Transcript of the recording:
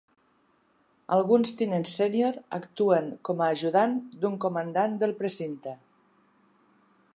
Alguns tinents sènior actuen com a ajudant d'un comandant del precinte.